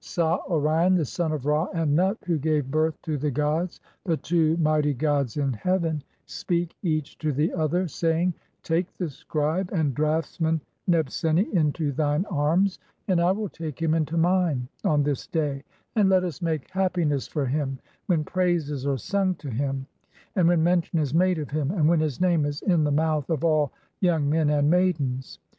Sah "(Orion), the son of Ra, and Nut, who gave birth to the gods "— the two mighty gods in heaven — speak each to the other, "saying, (38) 'Take the scribe and draughtsman Nebseni into thine "'arms, and I will take him into mine on this day, and let us " 'make happiness for him when praises are sung to him and " 'when mention is made of him, and when [his name] is in '"the mouth of all young men and maidens.'